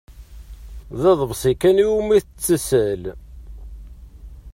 D aḍebsi kan iwumi tessal.